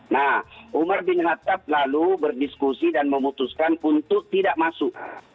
nah umar bin hattab lalu berdiskusi dan memutuskan untuk tidak masuk